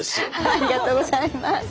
ありがとうございます。